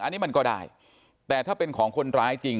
อันนี้มันก็ได้แต่ถ้าเป็นของคนร้ายจริง